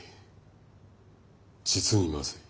実にまずい。